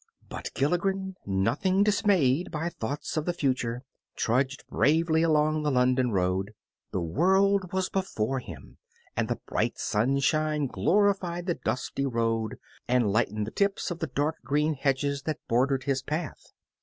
But Gilligren, nothing dismayed by thoughts of the future, trudged bravely along the London road. The world was before him, and the bright sunshine glorified the dusty road and lightened the tips of the dark green hedges that bordered his path.